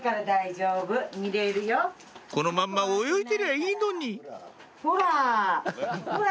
「このまんま泳いでりゃいいのに」ほら！